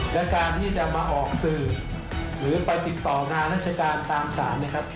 และการที่จะมาออกสื่อหรือไปติดต่องานราชการตามสารนะครับ